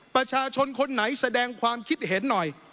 ประชาชนคนไหนแสดงความคิดเห็นหน่อย